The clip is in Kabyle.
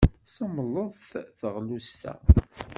Semmḍet teɣlust-a.